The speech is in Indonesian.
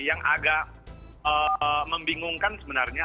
yang agak membingungkan sebenarnya